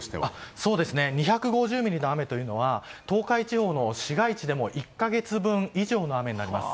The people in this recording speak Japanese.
２５０ミリの雨というのは東海地方の市街地でも１か月分以上の雨になります。